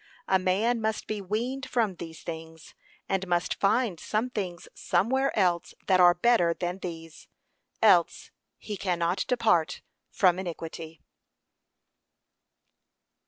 A man must be weaned from these things, and must find some things somewhere else that are better than these, else he cannot depart from iniquity.